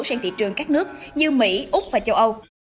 sang thị trường các nước như mỹ úc và châu âu